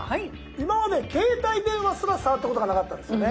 今まで携帯電話すら触ったことがなかったんですよね？